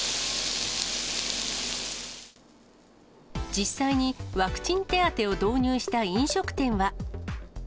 実際にワクチン手当を導入した飲食店は。